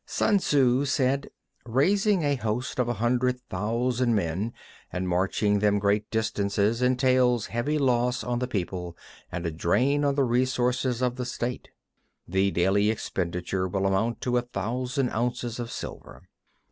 Sun Tzŭ said: Raising a host of a hundred thousand men and marching them great distances entails heavy loss on the people and a drain on the resources of the State. The daily expenditure will amount to a thousand ounces of silver.